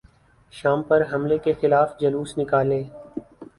شام پر حملے کیخلاف جلوس نکالیں